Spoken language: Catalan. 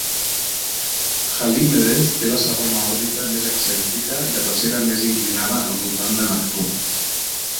Halimedes té la segona òrbita més excèntrica i la tercera més inclinada al voltant de Neptú.